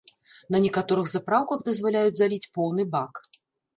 На некаторых запраўках дазваляюць заліць поўны бак.